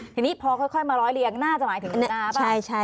ทีนี้พอมาร้อยเลี้ยงน่าจะหมายถึงนุนาปะ